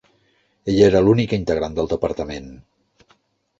Ella era l'única integrant del departament.